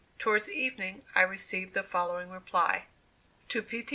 Towards evening I received the following reply: "TO P. T.